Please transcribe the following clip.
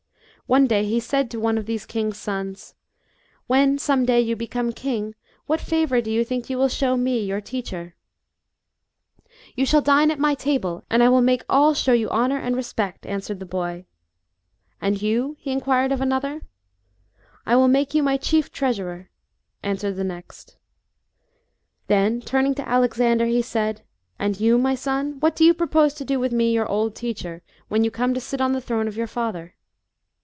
One day he tsaid to one of these kings' sons, " When, some day, you become king, what favour do you think you will show me, your teacher ?" "You shall dine at my table, and I will make all show you honour and respect/' answered the boy. "And you ?" he inquired of another. " I will make you my chief treasurer/' answered the next. Then Jburning to* Alexander he said, " And you, my son, what do you propose to do with me, your old teacher^ when you come to sit on the throne of your father